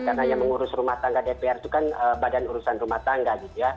karena yang mengurus rumah tangga dpr itu kan badan urusan rumah tangga